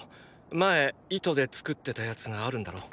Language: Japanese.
前糸で作ってたやつがあるんだろ？